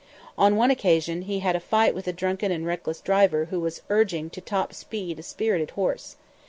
On one occasion he had a fight with a drunken and reckless driver who was urging to top speed a spirited horse.